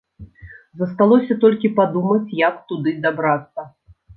Засталося толькі падумаць, як туды дабрацца.